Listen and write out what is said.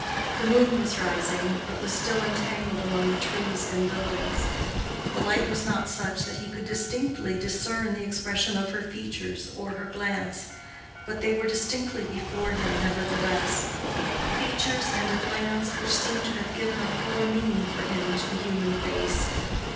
The moon was rising, but was still entangled among the trees and buildings. The light was not such that he could distinctly discern the expression of her features or her glance, but they were distinctly before him nevertheless—features and a glance which seemed to have given a fuller meaning for him to the human face.